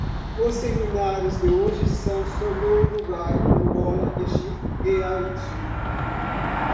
Os seminários de hoje são sobre o Uruguai, Angola, Egito e Haiti.